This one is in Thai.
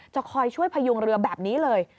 จะคอยช่วยพยุงเรือแบบนี้เลย